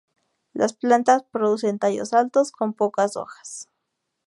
Las plantas producen tallos altos con pocas hojas.